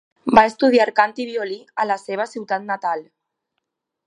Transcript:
Va estudiar cant i violí a la seva ciutat natal.